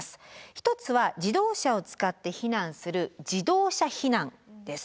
一つは自動車を使って避難する「自動車避難」です。